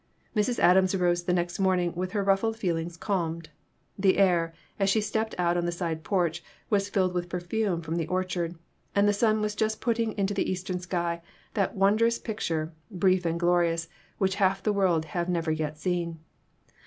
Mrs. Adams arose the next morning with her ruffled feelings calmed. The air, as she stepped out on the side porch, was filled with perfume from the orchard, and the sun was just putting into the eastern sky that wondrous picture, brief and glorious, which half the world have never yet seen.